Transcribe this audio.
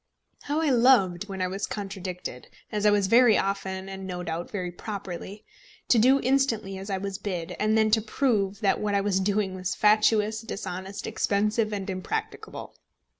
How I loved, when I was contradicted, as I was very often and no doubt very properly, to do instantly as I was bid, and then to prove that what I was doing was fatuous, dishonest, expensive, and impracticable!